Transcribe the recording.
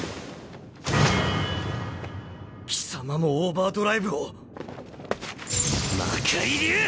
貴様もオーバードライブを⁉魔械流！